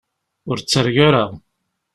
Ur ttargu ara.